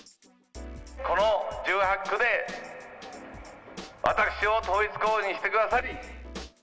この１８区で私を統一候補にしてください。